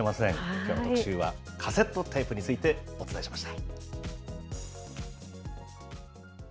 きょうの特集は、カセットテープについてお伝えしました。